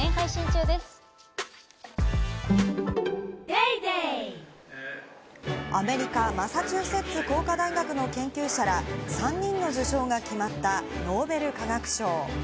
ペイトクアメリカ・マサチューセッツ工科大学の研究者ら３人の受賞が決まったノーベル化学賞。